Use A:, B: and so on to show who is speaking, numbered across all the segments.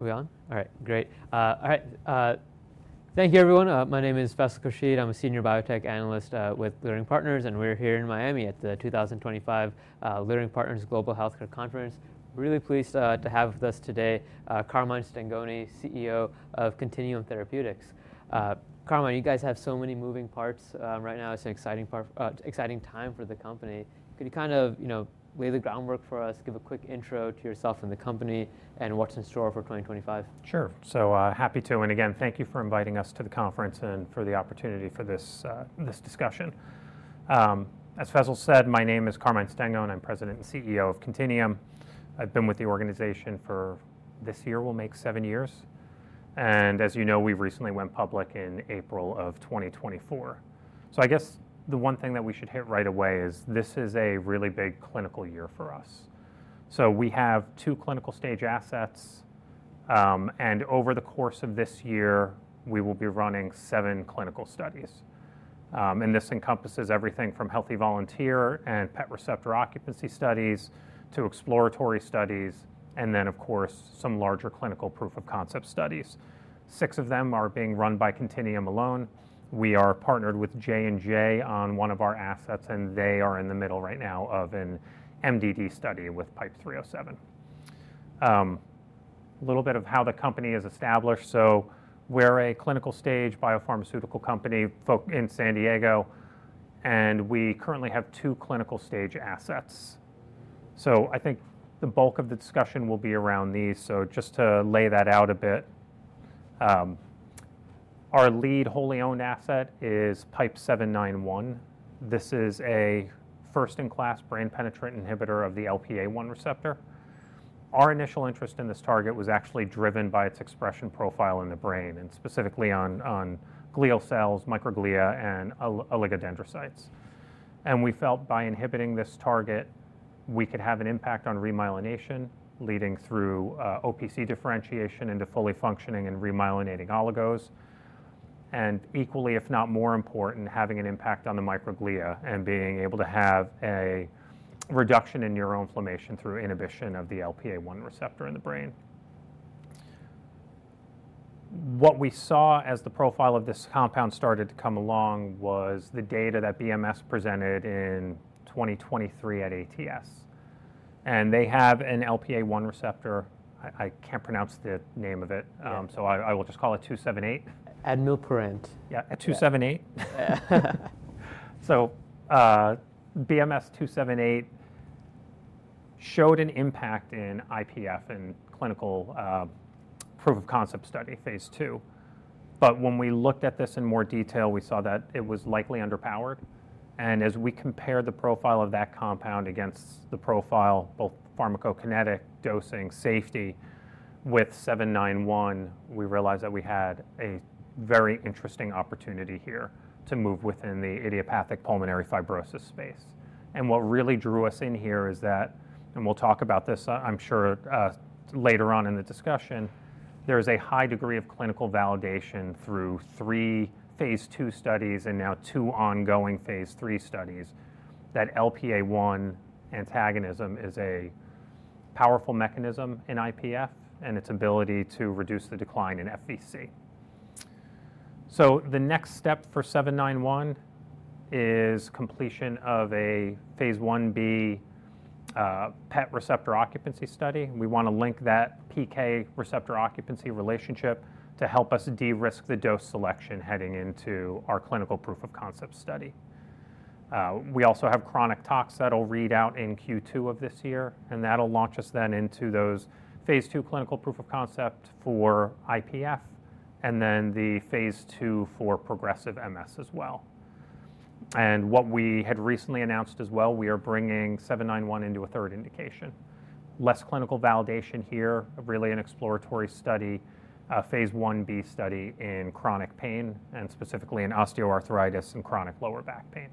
A: We're on? All right, great. All right, thank you, everyone. My name is Faisal Khurshid. I'm a senior biotech analyst with Leerink Partners, and we're here in Miami at the 2025 Leerink Partners Global Healthcare Conference. Really pleased to have with us today Carmine Stengone, CEO of Contineum Therapeutics. Carmine, you guys have so many moving parts right now. It's an exciting time for the company. Could you kind of lay the groundwork for us, give a quick intro to yourself and the company, and what's in store for 2025?
B: Sure. Happy to. Again, thank you for inviting us to the conference and for the opportunity for this discussion. As Faisal said, my name is Carmine Stengone, and I'm President and CEO of Contineum. I've been with the organization for this year, we'll make seven years. As you know, we recently went public in April of 2024. I guess the one thing that we should hit right away is this is a really big clinical year for us. We have two clinical stage assets, and over the course of this year, we will be running seven clinical studies. This encompasses everything from healthy volunteer and PET receptor occupancy studies to exploratory studies, and then, of course, some larger clinical proof of concept studies. Six of them are being run by Contineum alone. We are partnered with J&J on one of our assets, and they are in the middle right now of an MDD study with PIPE-307. A little bit of how the company is established. We are a clinical stage biopharmaceutical company in San Diego, and we currently have two clinical stage assets. I think the bulk of the discussion will be around these. Just to lay that out a bit, our lead wholly owned asset is PIPE-791. This is a first-in-class brain penetrant inhibitor of the LPA1 receptor. Our initial interest in this target was actually driven by its expression profile in the brain, specifically on glial cells, microglia, and oligodendrocytes. We felt by inhibiting this target, we could have an impact on remyelination, leading through OPC differentiation into fully functioning and remyelinating oligos. Equally, if not more important, having an impact on the microglia and being able to have a reduction in neuroinflammation through inhibition of the LPA1 receptor in the brain. What we saw as the profile of this compound started to come along was the data that BMS presented in 2023 at ATS. They have an LPA1 receptor. I can't pronounce the name of it, so I will just call it 278.
A: At any rate.
B: Yeah, 278. BMS-986278 showed an impact in IPF in a clinical proof of concept study, phase two. When we looked at this in more detail, we saw that it was likely underpowered. As we compared the profile of that compound against the profile, both pharmacokinetic dosing and safety with 791, we realized that we had a very interesting opportunity here to move within the idiopathic pulmonary fibrosis space. What really drew us in here is that, and we'll talk about this, I'm sure, later on in the discussion, there is a high degree of clinical validation through three phase two studies and now two ongoing phase three studies that LPA1 antagonism is a powerful mechanism in IPF and its ability to reduce the decline in FVC. The next step for 791 is completion of a Phase 1b PET receptor occupancy study. We want to link that PK receptor occupancy relationship to help us de-risk the dose selection heading into our clinical proof of concept study. We also have chronic tox that will read out in Q2 of this year, and that will launch us then into those phase two clinical proof of concept for IPF and then the phase two for progressive MS as well. What we had recently announced as well, we are bringing 791 into a third indication. Less clinical validation here, really an exploratory study, a Phase 1b study in chronic pain and specifically in osteoarthritis and chronic lower back pain.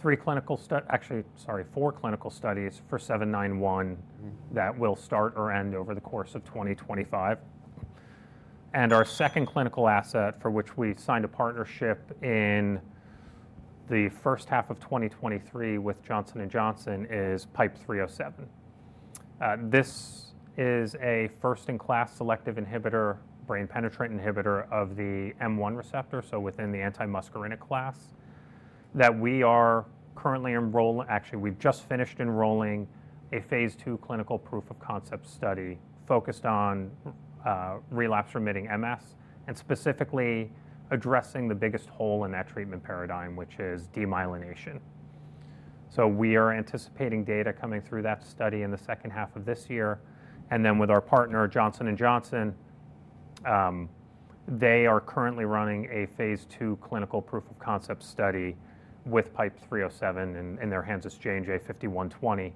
B: Three clinical, actually, sorry, four clinical studies for 791 that will start or end over the course of 2025. Our second clinical asset for which we signed a partnership in the first half of 2023 with Johnson & Johnson is PIPE-307. This is a first-in-class selective inhibitor, brain penetrant inhibitor of the M1 receptor, so within the anti-muscarinic class that we are currently enrolling. Actually, we've just finished enrolling a phase two clinical proof of concept study focused on relapsing-remitting MS and specifically addressing the biggest hole in that treatment paradigm, which is demyelination. We are anticipating data coming through that study in the second half of this year. With our partner, Johnson & Johnson, they are currently running a phase two clinical proof of concept study with PIPE-307 in their hands as J&J 5120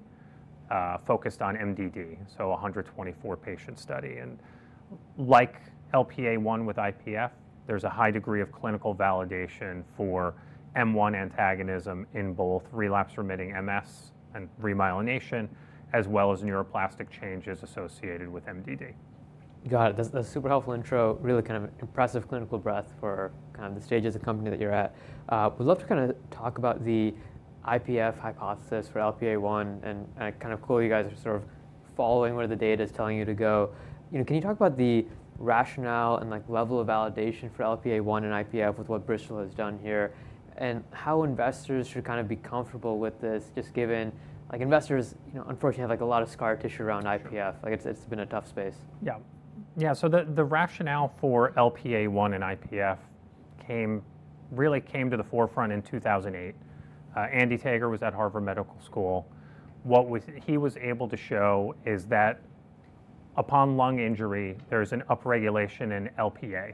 B: focused on MDD, a 124-patient study. Like LPA1 with IPF, there's a high degree of clinical validation for M1 antagonism in both relapsing-remitting MS and remyelination, as well as neuroplastic changes associated with MDD.
A: Got it. That's super helpful intro. Really kind of impressive clinical breadth for kind of the stage as a company that you're at. We'd love to kind of talk about the IPF hypothesis for LPA1 and kind of cool you guys are sort of following where the data is telling you to go. Can you talk about the rationale and level of validation for LPA1 and IPF with what Bristol has done here and how investors should kind of be comfortable with this just given investors unfortunately have a lot of scar tissue around IPF? It's been a tough space.
B: Yeah. Yeah. The rationale for LPA1 and IPF really came to the forefront in 2008. Andy Tager was at Harvard Medical School. What he was able to show is that upon lung injury, there is an upregulation in LPA.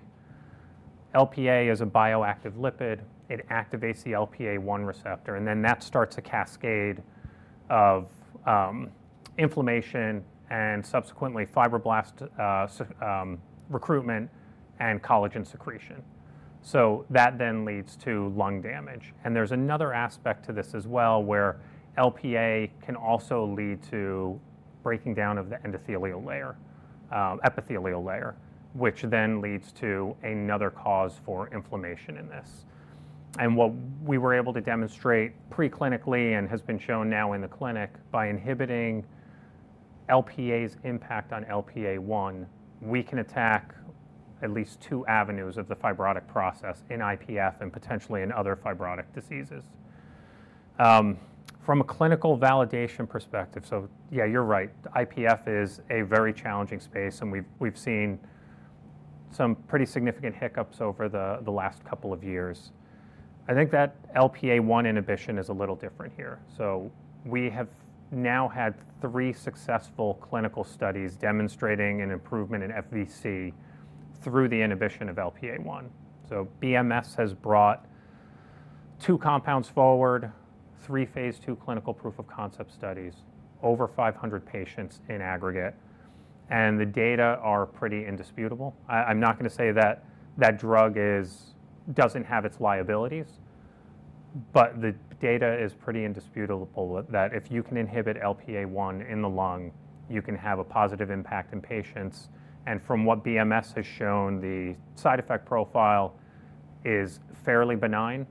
B: LPA is a bioactive lipid. It activates the LPA1 receptor, and that starts a cascade of inflammation and subsequently fibroblast recruitment and collagen secretion. That then leads to lung damage. There is another aspect to this as well where LPA can also lead to breaking down of the endothelial layer, epithelial layer, which then leads to another cause for inflammation in this. What we were able to demonstrate preclinically and has been shown now in the clinic, by inhibiting LPA's impact on LPA1, we can attack at least two avenues of the fibrotic process in IPF and potentially in other fibrotic diseases. From a clinical validation perspective, yeah, you're right, IPF is a very challenging space, and we've seen some pretty significant hiccups over the last couple of years. I think that LPA1 inhibition is a little different here. We have now had three successful clinical studies demonstrating an improvement in FVC through the inhibition of LPA1. BMS has brought two compounds forward, three phase two clinical proof of concept studies, over 500 patients in aggregate, and the data are pretty indisputable. I'm not going to say that that drug doesn't have its liabilities, but the data is pretty indisputable that if you can inhibit LPA1 in the lung, you can have a positive impact in patients. From what BMS has shown, the side effect profile is fairly benign.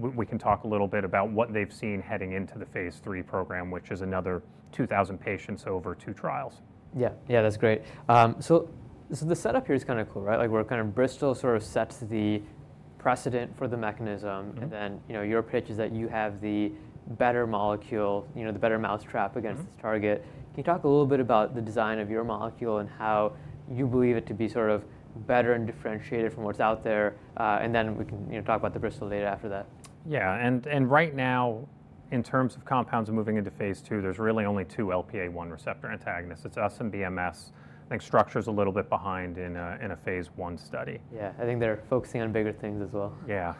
B: We can talk a little bit about what they've seen heading into the phase three program, which is another 2,000 patients over two trials.
A: Yeah. Yeah, that's great. The setup here is kind of cool, right? Like we're kind of Bristol sort of sets the precedent for the mechanism, and then your pitch is that you have the better molecule, the better mousetrap against this target. Can you talk a little bit about the design of your molecule and how you believe it to be sort of better and differentiated from what's out there? Then we can talk about the Bristol data after that.
B: Yeah. Right now, in terms of compounds moving into phase two, there's really only two LPA1 receptor antagonists. It's us and BMS. I think Structure is a little bit behind in a phase one study.
A: Yeah. I think they're focusing on bigger things as well.
B: Yeah.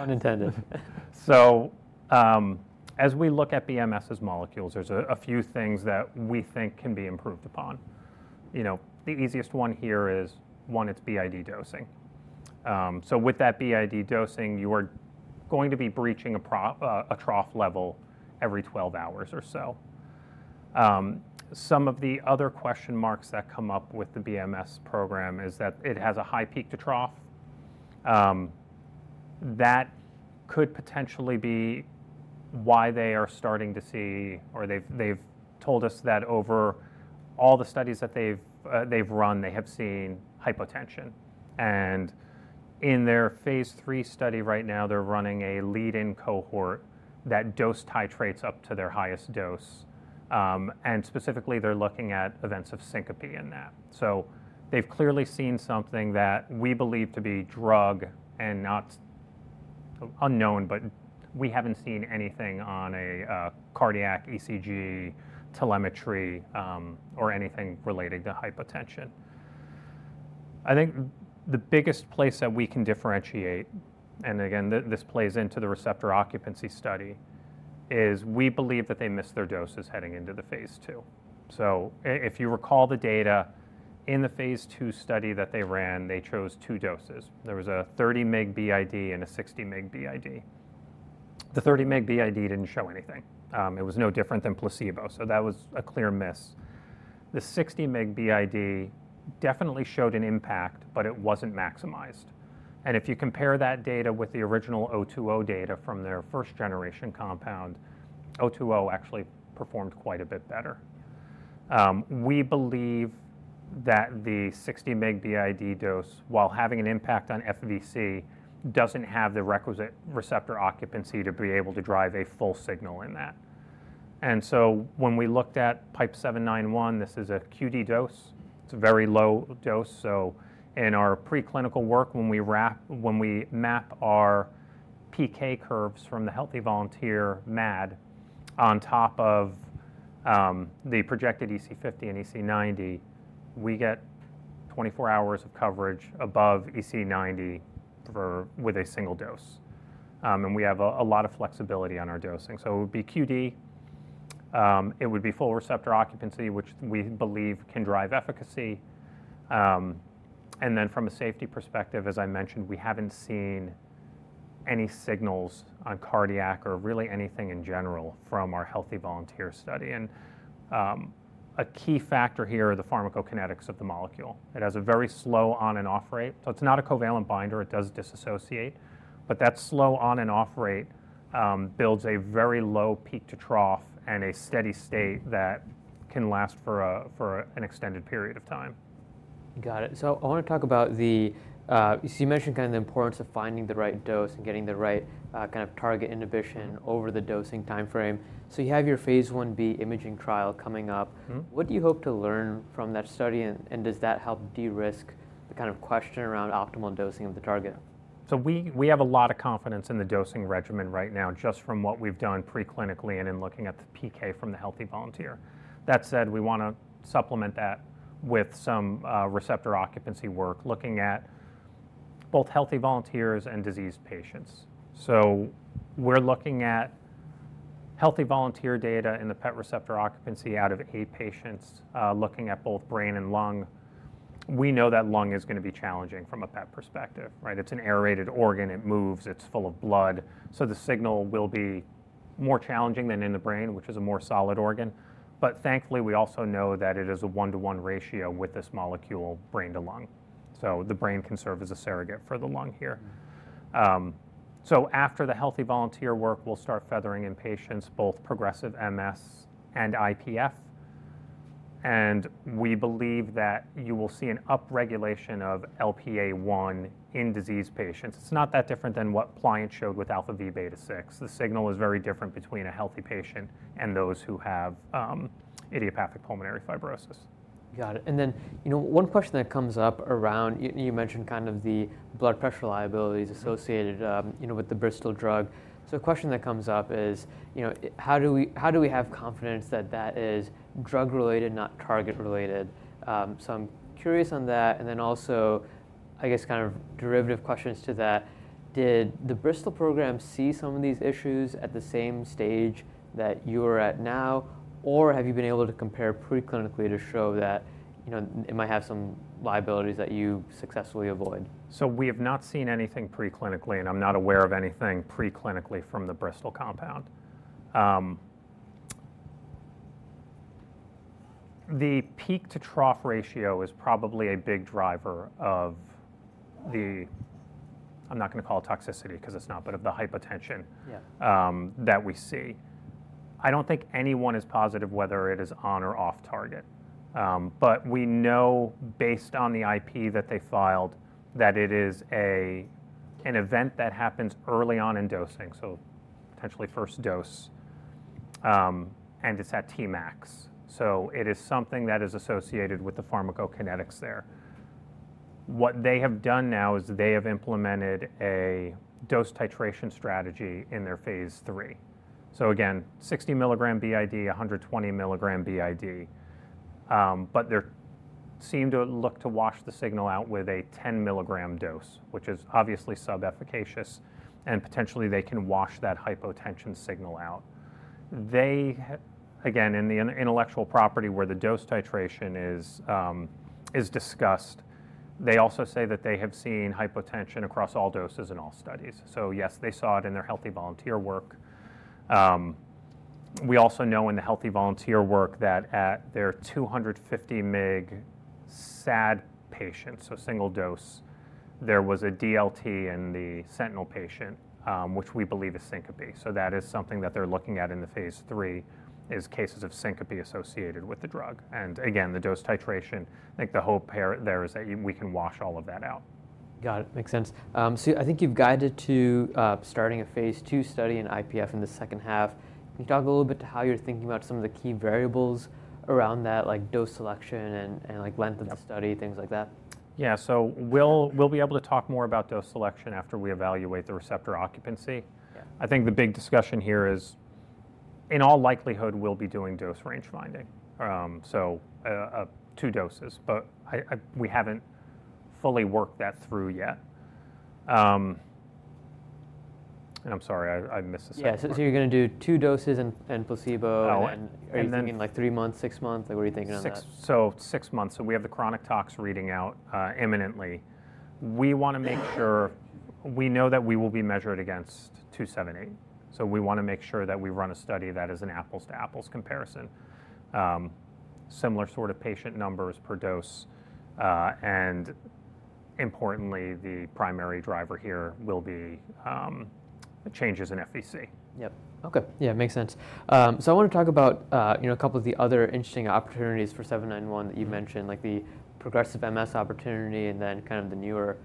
A: Unintended.
B: As we look at BMS's molecules, there's a few things that we think can be improved upon. The easiest one here is, one, it's BID dosing. With that BID dosing, you are going to be breaching a trough level every 12 hours or so. Some of the other question marks that come up with the BMS program is that it has a high peak to trough. That could potentially be why they are starting to see, or they've told us that over all the studies that they've run, they have seen hypotension. In their phase three study right now, they're running a lead-in cohort that dose titrates up to their highest dose. Specifically, they're looking at events of syncope in that. They've clearly seen something that we believe to be drug and not unknown, but we haven't seen anything on a cardiac ECG, telemetry, or anything relating to hypotension. I think the biggest place that we can differentiate, and again, this plays into the receptor occupancy study, is we believe that they missed their doses heading into the phase two. If you recall the data in the phase two study that they ran, they chose two doses. There was a 30 mg BID and a 60 mg BID. The 30 mg BID didn't show anything. It was no different than placebo. That was a clear miss. The 60 mg BID definitely showed an impact, but it wasn't maximized. If you compare that data with the original 020 data from their first-generation compound, 020 actually performed quite a bit better. We believe that the 60-mg BID dose, while having an impact on FVC, doesn't have the requisite receptor occupancy to be able to drive a full signal in that. When we looked at PIPE-791, this is a QD dose. It's a very low dose. In our preclinical work, when we map our PK curves from the healthy volunteer MAD on top of the projected EC50 and EC90, we get 24 hours of coverage above EC90 with a single dose. We have a lot of flexibility on our dosing. It would be QD. It would be full receptor occupancy, which we believe can drive efficacy. From a safety perspective, as I mentioned, we haven't seen any signals on cardiac or really anything in general from our healthy volunteer study. A key factor here are the pharmacokinetics of the molecule. It has a very slow on-and-off rate. It is not a covalent binder. It does disassociate. That slow on-and-off rate builds a very low peak to trough and a steady state that can last for an extended period of time.
A: Got it. I want to talk about the, you mentioned kind of the importance of finding the right dose and getting the right kind of target inhibition over the dosing timeframe. You have your Phase 1b imaging trial coming up. What do you hope to learn from that study? Does that help de-risk the kind of question around optimal dosing of the target?
B: We have a lot of confidence in the dosing regimen right now just from what we've done preclinically and in looking at the PK from the healthy volunteer. That said, we want to supplement that with some receptor occupancy work looking at both healthy volunteers and diseased patients. We're looking at healthy volunteer data in the PET receptor occupancy out of eight patients looking at both brain and lung. We know that lung is going to be challenging from a PET perspective, right? It's an aerated organ. It moves. It's full of blood. The signal will be more challenging than in the brain, which is a more solid organ. Thankfully, we also know that it is a one-to-one ratio with this molecule brain to lung. The brain can serve as a surrogate for the lung here. After the healthy volunteer work, we'll start feathering in patients, both progressive MS and IPF. We believe that you will see an upregulation of LPA1 in diseased patients. It's not that different than what Pliant showed with alpha-v beta-6. The signal is very different between a healthy patient and those who have idiopathic pulmonary fibrosis.
A: Got it. One question that comes up around, you mentioned kind of the blood pressure liabilities associated with the Bristol drug. A question that comes up is, how do we have confidence that that is drug-related, not target-related? I am curious on that. Also, I guess kind of derivative questions to that, did the Bristol program see some of these issues at the same stage that you are at now, or have you been able to compare preclinically to show that it might have some liabilities that you successfully avoid?
B: We have not seen anything preclinically, and I'm not aware of anything preclinically from the Bristol-Myers Squibb compound. The peak to trough ratio is probably a big driver of the, I'm not going to call it toxicity because it's not, but of the hypotension that we see. I don't think anyone is positive whether it is on or off target. We know based on the IP that they filed that it is an event that happens early on in dosing, so potentially first dose, and it's at Tmax. It is something that is associated with the pharmacokinetics there. What they have done now is they have implemented a dose titration strategy in their phase three. Again, 60 milligram BID, 120 milligram BID. They seem to look to wash the signal out with a 10 milligram dose, which is obviously sub-efficacious, and potentially they can wash that hypotension signal out. Again, in the intellectual property where the dose titration is discussed, they also say that they have seen hypotension across all doses in all studies. Yes, they saw it in their healthy volunteer work. We also know in the healthy volunteer work that at their 250 mg SAD patients, so single dose, there was a DLT in the Sentinel patient, which we believe is syncope. That is something that they're looking at in the phase three is cases of syncope associated with the drug. Again, the dose titration, I think the hope there is that we can wash all of that out.
A: Got it. Makes sense. I think you've guided to starting a phase two study in IPF in the second half. Can you talk a little bit to how you're thinking about some of the key variables around that, like dose selection and length of the study, things like that?
B: Yeah. We'll be able to talk more about dose selection after we evaluate the receptor occupancy. I think the big discussion here is in all likelihood, we'll be doing dose range finding, so two doses. We haven't fully worked that through yet. I'm sorry, I missed a second.
A: Yeah. So you're going to do two doses and placebo.
B: Oh, and.
A: You mean like three months, six months? What are you thinking on that?
B: Six months. We have the chronic tox reading out imminently. We want to make sure we know that we will be measured against 278. We want to make sure that we run a study that is an apples-to-apples comparison, similar sort of patient numbers per dose. Importantly, the primary driver here will be changes in FVC.
A: Yep. Okay. Yeah, makes sense. I want to talk about a couple of the other interesting opportunities for 791 that you mentioned, like the progressive MS opportunity and then kind of the newer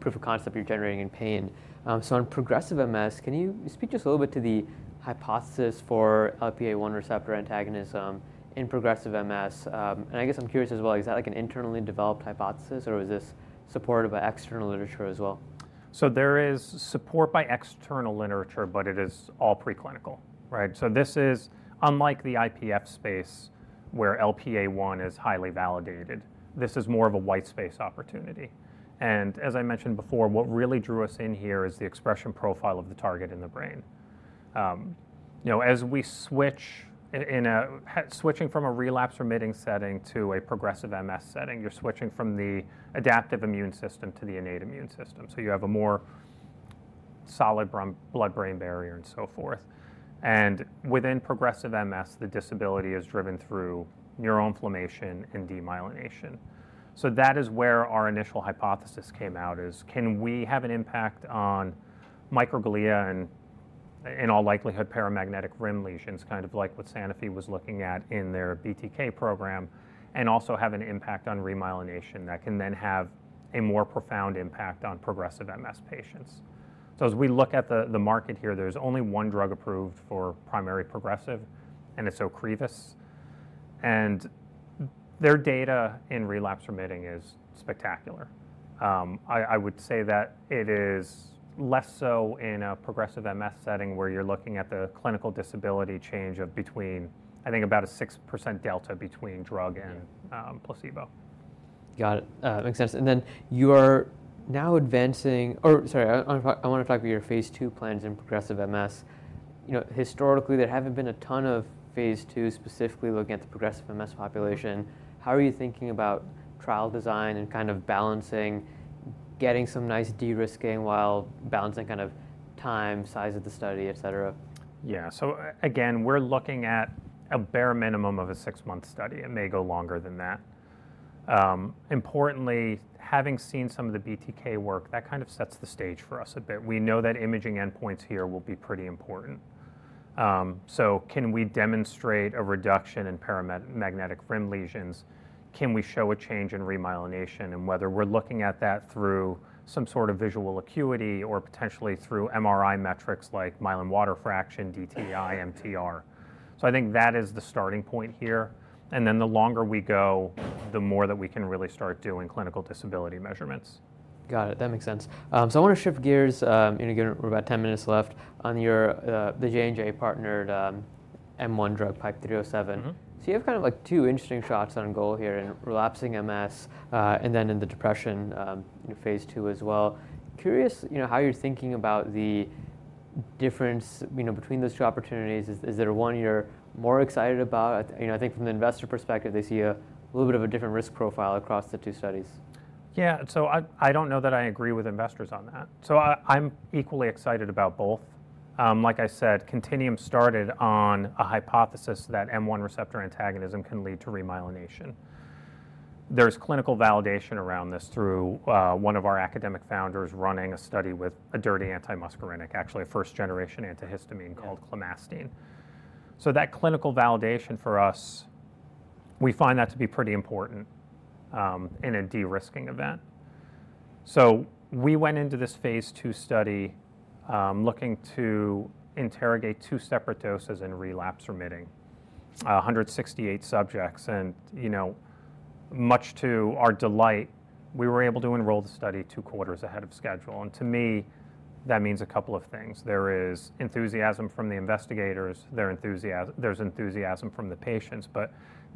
A: proof of concept you're generating in pain. On progressive MS, can you speak just a little bit to the hypothesis for LPA1 receptor antagonism in progressive MS? I guess I'm curious as well, is that like an internally developed hypothesis, or is this supported by external literature as well?
B: There is support by external literature, but it is all preclinical, right? This is unlike the IPF space where LPA1 is highly validated. This is more of a white space opportunity. As I mentioned before, what really drew us in here is the expression profile of the target in the brain. As we switch from a relapse-remitting setting to a progressive MS setting, you're switching from the adaptive immune system to the innate immune system. You have a more solid blood-brain barrier and so forth. Within progressive MS, the disability is driven through neuroinflammation and demyelination. That is where our initial hypothesis came out is, can we have an impact on microglia and in all likelihood, paramagnetic rim lesions, kind of like what Sanofi was looking at in their BTK program, and also have an impact on remyelination that can then have a more profound impact on progressive MS patients? As we look at the market here, there's only one drug approved for primary progressive, and it's Ocrevus. Their data in relapse-remitting is spectacular. I would say that it is less so in a progressive MS setting where you're looking at the clinical disability change of between, I think, about a 6% delta between drug and placebo.
A: Got it. Makes sense. You're now advancing, or sorry, I want to talk about your phase two plans in progressive MS. Historically, there haven't been a ton of phase two specifically looking at the progressive MS population. How are you thinking about trial design and kind of balancing, getting some nice de-risking while balancing kind of time, size of the study, et cetera?
B: Yeah. So again, we're looking at a bare minimum of a six-month study. It may go longer than that. Importantly, having seen some of the BTK work, that kind of sets the stage for us a bit. We know that imaging endpoints here will be pretty important. Can we demonstrate a reduction in paramagnetic rim lesions? Can we show a change in remyelination and whether we're looking at that through some sort of visual acuity or potentially through MRI metrics like myelin water fraction, DTI, MTR? I think that is the starting point here. The longer we go, the more that we can really start doing clinical disability measurements.
A: Got it. That makes sense. I want to shift gears. We're about 10 minutes left on the J&J partnered M1 drug PIPE-307. You have kind of like two interesting shots on goal here in relapsing MS and then in the depression phase two as well. Curious how you're thinking about the difference between those two opportunities. Is there one you're more excited about? I think from the investor perspective, they see a little bit of a different risk profile across the two studies.
B: Yeah. I don't know that I agree with investors on that. I'm equally excited about both. Like I said, Contineum started on a hypothesis that M1 receptor antagonism can lead to remyelination. There's clinical validation around this through one of our academic founders running a study with a dirty anti-muscarinic, actually a first-generation antihistamine called clemastine. That clinical validation for us, we find that to be pretty important in a de-risking event. We went into this phase two study looking to interrogate two separate doses in relapsing-remitting, 168 subjects. Much to our delight, we were able to enroll the study two quarters ahead of schedule. To me, that means a couple of things. There is enthusiasm from the investigators. There's enthusiasm from the patients.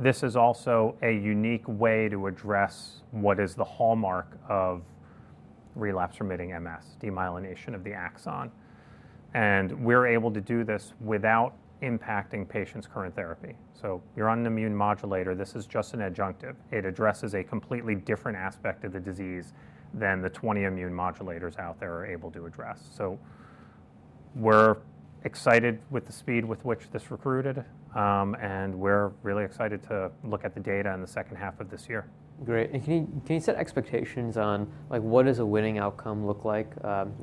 B: This is also a unique way to address what is the hallmark of relapsing-remitting MS, demyelination of the axon. We are able to do this without impacting patients' current therapy. You are on an immune modulator. This is just an adjunctive. It addresses a completely different aspect of the disease than the 20 immune modulators out there are able to address. We are excited with the speed with which this recruited. We are really excited to look at the data in the second half of this year.
A: Great. Can you set expectations on what does a winning outcome look like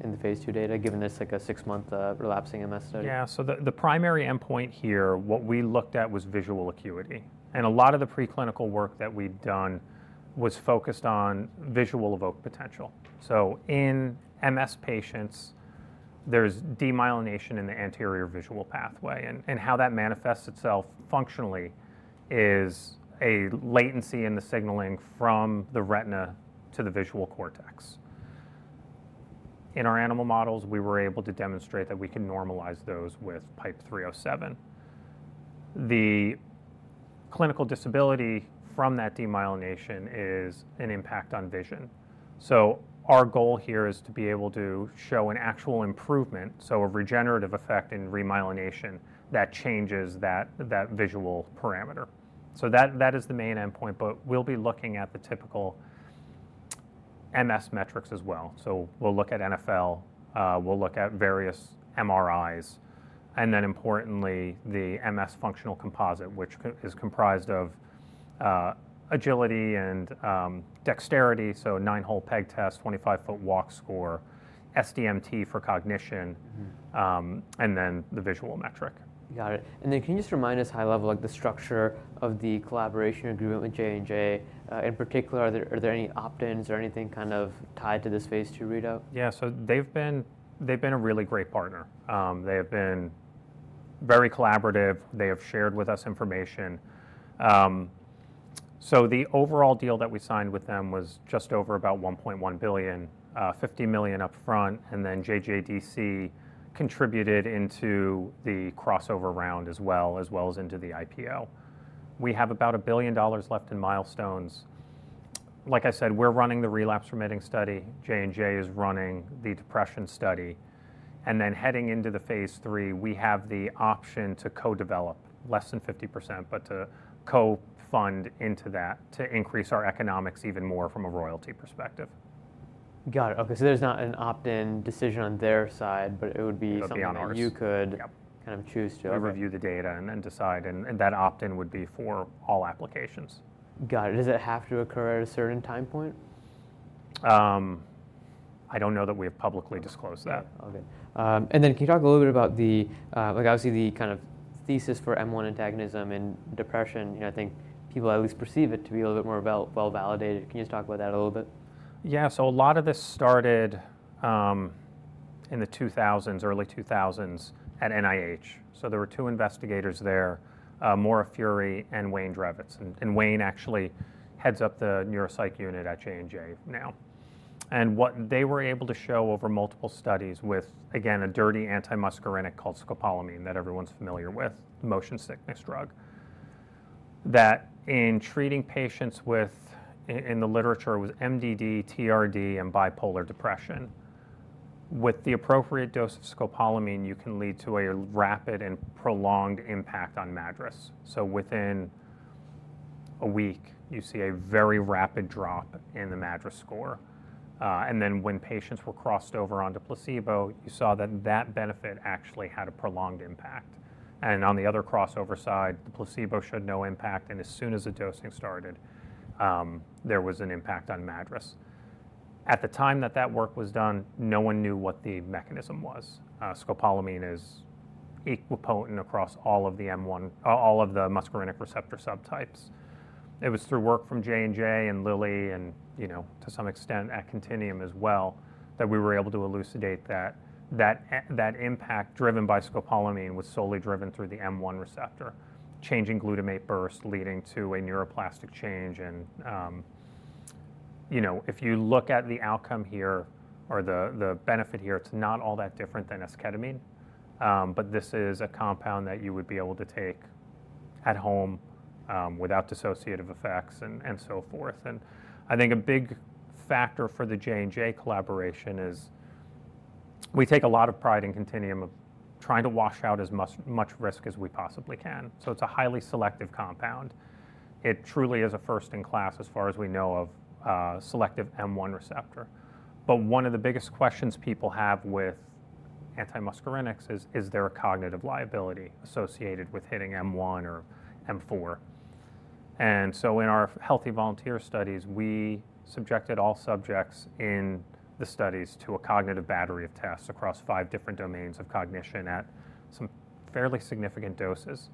A: in the phase two data, given this is like a six-month relapsing MS study?
B: Yeah. The primary endpoint here, what we looked at was visual acuity. A lot of the preclinical work that we've done was focused on visual evoked potential. In MS patients, there's demyelination in the anterior visual pathway. How that manifests itself functionally is a latency in the signaling from the retina to the visual cortex. In our animal models, we were able to demonstrate that we could normalize those with PIPE-307. The clinical disability from that demyelination is an impact on vision. Our goal here is to be able to show an actual improvement, a regenerative effect in remyelination that changes that visual parameter. That is the main endpoint. We'll be looking at the typical MS metrics as well. We'll look at NfL. We'll look at various MRIs. Importantly, the MS Functional Composite, which is comprised of agility and dexterity, so nine-hole peg test, 25-foot walk score, SDMT for cognition, and then the visual metric.
A: Got it. Can you just remind us high level of the structure of the collaboration agreement with J&J? In particular, are there any opt-ins or anything kind of tied to this phase two readout?
B: Yeah. They have been a really great partner. They have been very collaborative. They have shared with us information. The overall deal that we signed with them was just over about $1.1 billion, $50 million upfront. JJDC contributed into the crossover round as well, as well as into the IPO. We have about $1 billion left in milestones. Like I said, we're running the relapse-remitting study. J&J is running the depression study. Heading into the phase three, we have the option to co-develop, less than 50%, but to co-fund into that to increase our economics even more from a royalty perspective.
A: Got it. Okay. There is not an opt-in decision on their side, but it would be something that you could kind of choose to.
B: We review the data and then decide. That opt-in would be for all applications.
A: Got it. Does it have to occur at a certain time point?
B: I don't know that we have publicly disclosed that.
A: Okay. Can you talk a little bit about the, obviously, the kind of thesis for M1 antagonism in depression? I think people at least perceive it to be a little bit more well-validated. Can you just talk about that a little bit?
B: Yeah. A lot of this started in the 2000s, early 2000s at NIH. There were two investigators there, Maura Furey and Wayne Drevets. Wayne actually heads up the neuropsych unit at Johnson & Johnson now. What they were able to show over multiple studies with, again, a dirty anti-muscarinic called scopolamine that everyone's familiar with, motion sickness drug, that in treating patients with, in the literature, it was MDD, TRD, and bipolar depression. With the appropriate dose of scopolamine, you can lead to a rapid and prolonged impact on MADRS. Within a week, you see a very rapid drop in the MADRS score. When patients were crossed over onto placebo, you saw that that benefit actually had a prolonged impact. On the other crossover side, the placebo showed no impact. As soon as the dosing started, there was an impact on MADRS. At the time that that work was done, no one knew what the mechanism was. Scopolamine is equal potent across all of the muscarinic receptor subtypes. It was through work from J&J and Lilly and, to some extent, at Contineum as well, that we were able to elucidate that that impact driven by scopolamine was solely driven through the M1 receptor, changing glutamate burst, leading to a neuroplastic change. If you look at the outcome here or the benefit here, it's not all that different than esketamine. This is a compound that you would be able to take at home without dissociative effects and so forth. I think a big factor for the J&J collaboration is we take a lot of pride in Contineum of trying to wash out as much risk as we possibly can. It is a highly selective compound. It truly is a first in class as far as we know of selective M1 receptor. One of the biggest questions people have with anti-muscarinics is, is there a cognitive liability associated with hitting M1 or M4? In our healthy volunteer studies, we subjected all subjects in the studies to a cognitive battery of tests across five different domains of cognition at some fairly significant doses.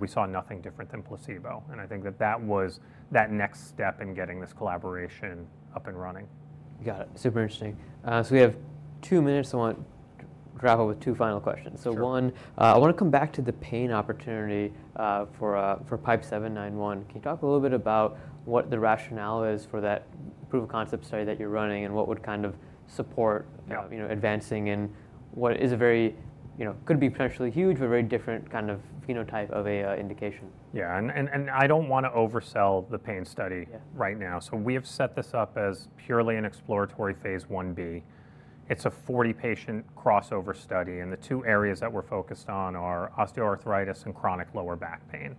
B: We saw nothing different than placebo. I think that that was that next step in getting this collaboration up and running.
A: Got it. Super interesting. We have two minutes. I want to wrap up with two final questions. One, I want to come back to the pain opportunity for PIPE-791. Can you talk a little bit about what the rationale is for that proof of concept study that you're running and what would kind of support advancing in what is a very, could be potentially huge, but very different kind of phenotype of an indication?
B: Yeah. I don't want to oversell the pain study right now. We have set this up as purely an exploratory phase 1B. It's a 40-patient crossover study. The two areas that we're focused on are osteoarthritis and chronic lower back pain.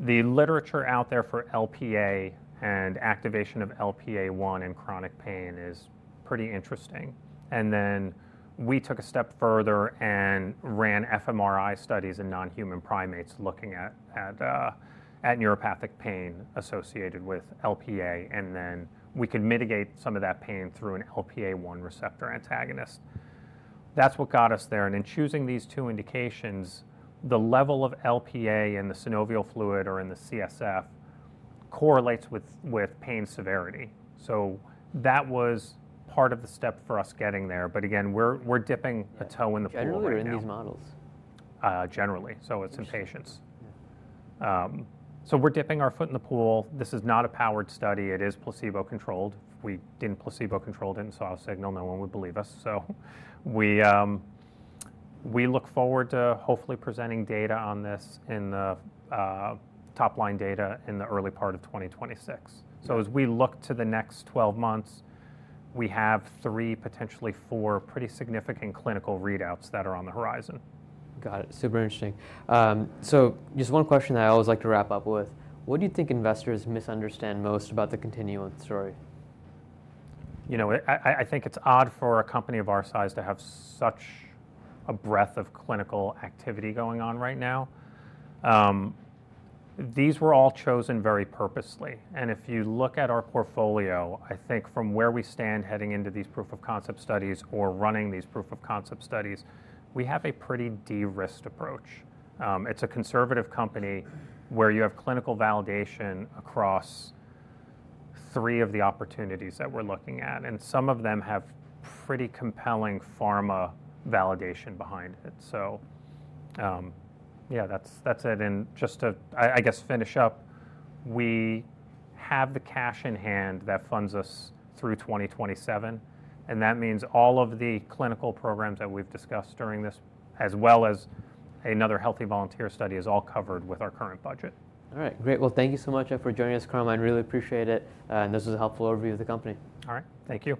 B: The literature out there for LPA and activation of LPA1 in chronic pain is pretty interesting. We took a step further and ran fMRI studies in non-human primates looking at neuropathic pain associated with LPA. We could mitigate some of that pain through an LPA1 receptor antagonist. That's what got us there. In choosing these two indications, the level of LPA in the synovial fluid or in the CSF correlates with pain severity. That was part of the step for us getting there. Again, we're dipping a toe in the pool.
A: Where are these models?
B: Generally. It's in patients. We're dipping our foot in the pool. This is not a powered study. It is placebo-controlled. If we didn't placebo-control it, it didn't solve a signal, no one would believe us. We look forward to hopefully presenting data on this, the top-line data, in the early part of 2026. As we look to the next 12 months, we have three, potentially four, pretty significant clinical readouts that are on the horizon.
A: Got it. Super interesting. Just one question that I always like to wrap up with. What do you think investors misunderstand most about the Contineum story?
B: I think it's odd for a company of our size to have such a breadth of clinical activity going on right now. These were all chosen very purposely. If you look at our portfolio, I think from where we stand heading into these proof of concept studies or running these proof of concept studies, we have a pretty de-risked approach. It's a conservative company where you have clinical validation across three of the opportunities that we're looking at. Some of them have pretty compelling pharma validation behind it. Yeah, that's it. Just to, I guess, finish up, we have the cash in hand that funds us through 2027. That means all of the clinical programs that we've discussed during this, as well as another healthy volunteer study, is all covered with our current budget.
A: All right. Great. Thank you so much for joining us, Carmine. Really appreciate it. This was a helpful overview of the company.
B: All right. Thank you.